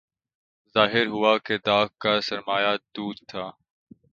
ظاہر ہوا کہ داغ کا سرمایہ دود تھا